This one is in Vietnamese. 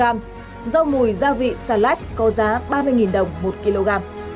rau mùi gia vị salad có giá ba mươi đồng một kg